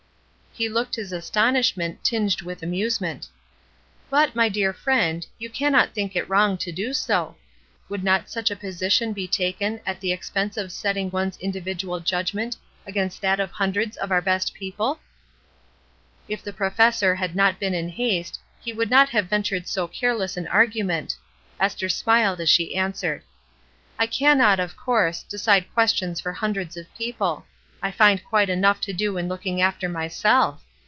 He looked his astonishment, tinged with amusement. « DELIBERATELY, AND FOREVER " 231 "But, my dear friend, you cannot think it wrong to do so. Would not such a poation be taken at the expense of setting one's indi vidual judgment against that of hundreds of our best people?" If the professor had not been in haste, he would not have ventured so careless an argu ment. Esther smiled as she answered :— "I cannot, of course, decide questions for hundreds of people. I find quite enough to do in looking after myself.